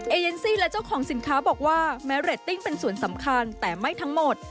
เอเยนซี่และเจ้าของสินค้าบอกว่าแม้เรตติ้งเป็นส่วนสำคัญแต่ไม่ทั้งหมด